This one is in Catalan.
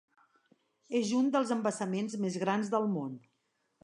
És un dels embassaments més grans del món.